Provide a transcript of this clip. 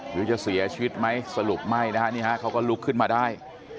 หรือจะเสียชีวิตไหมสรุปไม่นะฮะนี่ฮะเขาก็ลุกขึ้นมาได้